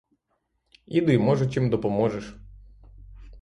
Іди, може, чим допоможеш.